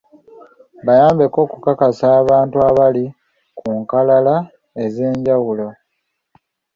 Bayambeko okukakasa abantu abali ku nkalala ez'enjawulo.